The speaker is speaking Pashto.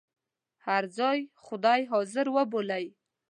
هر ځای خدای حاضر وبولئ.